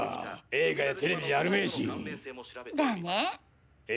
映画やテレビじゃあるめし。だね。